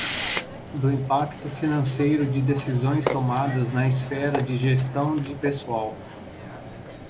do impacto financeiro de decisões tomadas na esfera de gestão de pessoal.